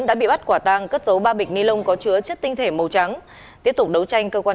đã bị bắt quả tang cất dấu ba bịch ni lông có chứa chất tinh thể màu trắng tiếp tục đấu tranh cơ quan